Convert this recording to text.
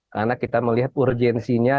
karena kita melihat urgensinya